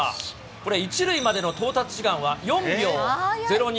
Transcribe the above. これ、１塁までの到達時間は４秒０２。